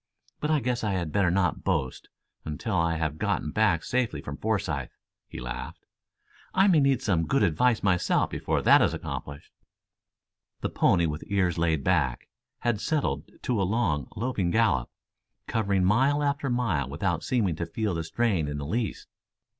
But, I guess I had better not boast until after I have gotten back safely from Forsythe," he laughed. "I may need some good advice myself before that is accomplished." The pony with ears laid back had settled to a long, loping gallop, covering mile after mile without seeming to feel the strain in the least.